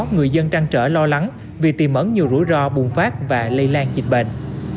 người dân trăn trở lo lắng vì tìm ẩn nhiều rủi ro bùng phát và lây lan dịch bệnh